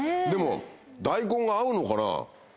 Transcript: でも大根が合うのかな。